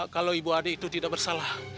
kalau ibu adik itu tidak bersalah